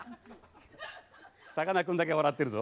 さかなクンだけ笑ってるぞ。